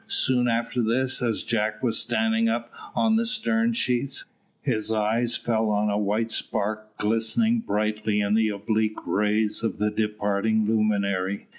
Soon after this, as Jack was standing up on the stern sheets, his eye fell on a white spark glistening brightly in the oblique rays of the departing luminary.